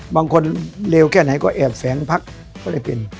บางคนเลวแค่ไหนก็แอบแสงพักก็ได้เป็น